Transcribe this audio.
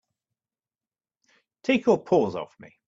Take your paws off me!